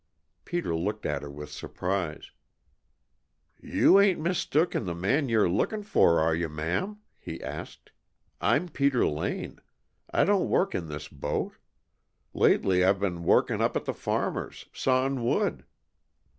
Peter looked at her with surprise. "You ain't mistook in the man you're lookin' for, are you, ma'am?" He asked. "I'm Peter Lane. I don't work in this boat. Lately I've been workin' up at the farmer's, sawin' wood."